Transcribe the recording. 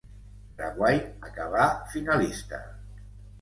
Paraguai acabà finalista.